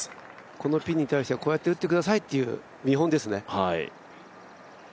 このピンに対してはこうやって打ってくださいという見本ですね。